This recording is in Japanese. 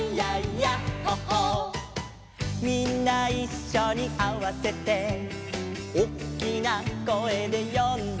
「みんないっしょにあわせて」「おっきな声で呼んだら」